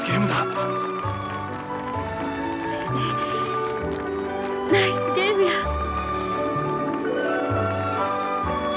ナイスゲームや。